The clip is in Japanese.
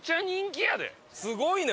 すごいね。